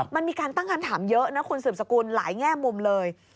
มันมีการตั้งคำถามเยอะนะคุณสืบสกุลหลายแง่มุมเลย